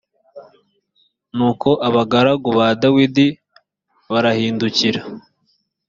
nuko abagaragu ba dawidi barahindukira